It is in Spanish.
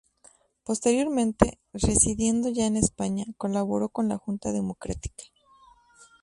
Posteriormente, residiendo ya en España, colaboró con la Junta Democrática.